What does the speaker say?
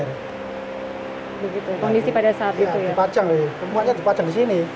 dipajang pembukanya dipajang di sini